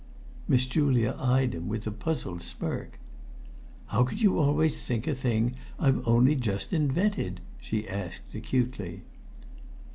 Miss Julia eyed him with a puzzled smirk. "How could you always think a thing I've only just invented?" she asked acutely.